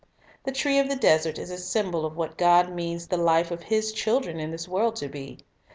The tree of the desert is a symbol of what God means the life of His children in this world to be.